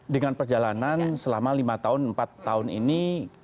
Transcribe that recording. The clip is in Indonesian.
dengan perjalanan selama lima tahun empat tahun ini